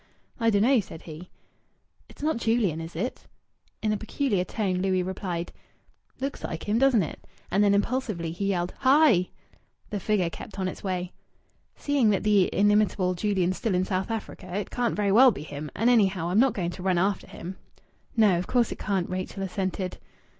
"I dun'no," said he. "It's not Julian, is it?" In a peculiar tone Louis replied "Looks like him, doesn't it?" And then impulsively he yelled "Hi!" The figure kept on its way. "Seeing that the inimitable Julian's still in South Africa, it can't very well be him. And, anyhow, I'm not going to run after him." "No, of course it can't," Rachel assented.